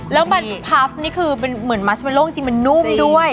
แล้วแบบพัฟนี่คือเหมือนมัชมันโล่งจริงมันนุ่มด้วย